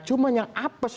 cuma yang apes